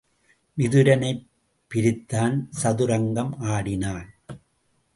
விதுரனைப் பிரித்தான் சதுரங்கம் ஆடி– னான்.